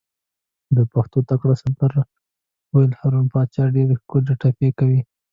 د پښتو تکړه سندر بول، هارون پاچا ډېرې ښکلې ټپې کوي.